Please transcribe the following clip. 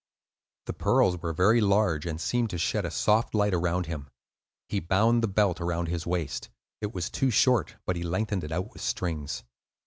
The pearls were very large, and seemed to shed a soft light around him. He bound the belt around his waist; it was too short, but he lengthened it out with strings.